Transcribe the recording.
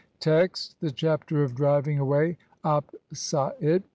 Text: (1) The Chapter of driving away Apshait.